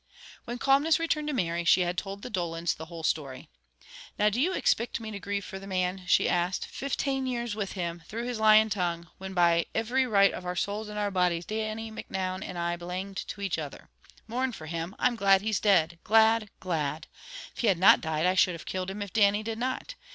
When calmness returned to Mary, she had told the Dolans the whole story. "Now do you ixpict me to grieve for the man?" she asked. "Fiftane years with him, through his lying tongue, whin by ivery right of our souls and our bodies, Dannie Micnoun and I belanged to each other. Mourn for him! I'm glad he's dead! Glad! Glad! If he had not died, I should have killed him, if Dannie did not!